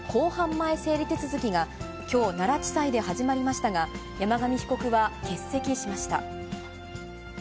前整理手続きが、きょう、奈良地裁で始まりましたが、山上被告は欠席しました。